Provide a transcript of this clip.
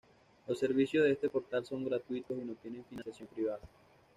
Los servicios de este portal son gratuitos y no tienen financiación privada.